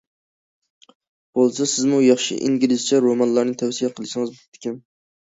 بولسا سىزمۇ ياخشى ئىنگلىزچە رومانلارنى تەۋسىيە قىلسىڭىز بوپتىكەن.